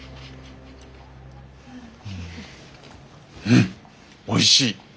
うんおいしい。